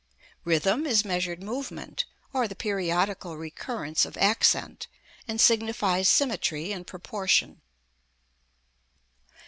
Rhythm is measured movement, or the periodical recurrence of accent; and signifies symmetry and proportion.